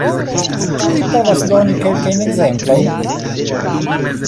Ĉu vi povas doni kelkajn ekzemplojn?